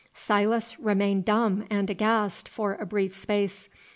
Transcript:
Silas remained dumb and aghast for a brief space.